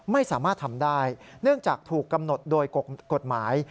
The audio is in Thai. ไม่สามารถทำได้เนื่องจากถูกกำหนดโดยกฎหมาย